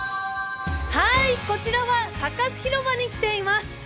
こちらはサカス広場に来ています。